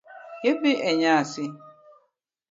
Idhi e nyasi?